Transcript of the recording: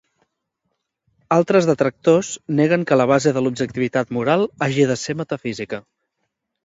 Altres detractors neguen que la base de l'objectivitat moral hagi de ser metafísica.